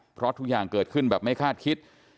เพราะทุกอย่างเกิดขึ้นแบบไม่คาดคิด